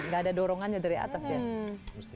gak ada dorongannya dari atas ya